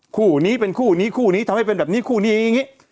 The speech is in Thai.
คู่นี้เป็นคู่นี้คู่นี้ทำให้เป็นแบบนี้คู่นี้อย่างนี้